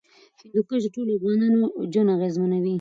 هندوکش د ټولو افغانانو ژوند اغېزمنوي.